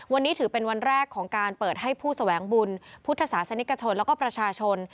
วันนี้ถือเป็นวันแรกของการเปิดให้ผู้แสวงบุญพุทธศาสนิกชนแล้วก็ประชาชน